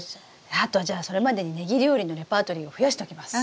あとはじゃあそれまでにネギ料理のレパートリーを増やしときます。